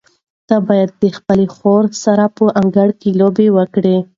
ته باید د خپلې خور سره په انګړ کې لوبې وکړې.